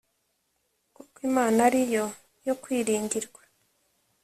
Kuko Imana ari yo yo kwiringirwa